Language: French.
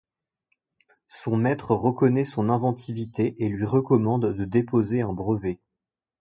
Son maître reconnaît son inventivité et lui recommande de déposer un brevet.